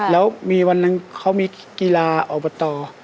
แล้วมีวันนั้นเค้ามีกีฬาอบต